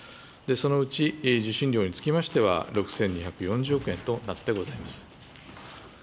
そのうち受信料につきましては６２４０億円となってございます。